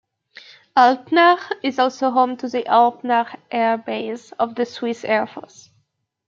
Alpnach is also home to the Alpnach Air Base of the Swiss Air Force.